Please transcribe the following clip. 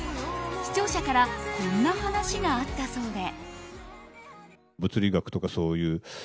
視聴者からこんな話があったそうで。